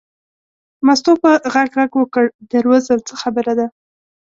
مستو په غږ غږ وکړ در وځم څه خبره ده.